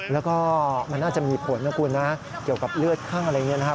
แล้วก็มันน่าจะมีผลนะคุณนะเกี่ยวกับเลือดข้างอะไรอย่างนี้นะครับ